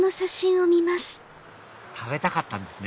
食べたかったんですね